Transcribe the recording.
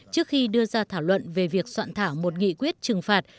trước khi đưa ra thảo luận về việc soạn thảo một nghị quyết trừng phạt